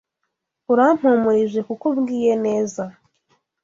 Urampumurije kuko umbwiye neza